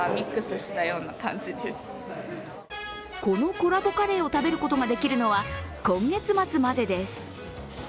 このコラボカレーを食べることができるのは、今月末までです。